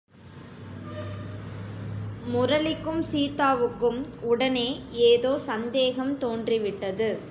முரளிக்கும் சீதாவுக்கும் உடனே ஏதோ சந்தேகம் தோன்றிவிட்டது.